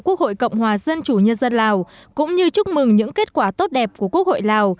quốc hội cộng hòa dân chủ nhân dân lào cũng như chúc mừng những kết quả tốt đẹp của quốc hội lào